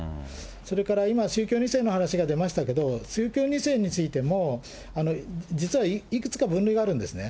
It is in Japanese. それから今、宗教２世の話が出ましたけれども、宗教２世についても、実はいくつか分類があるんですね。